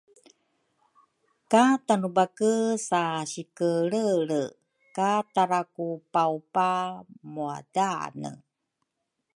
ka Tanebake sa sikelrelre, ka tarakupaupa muadaane.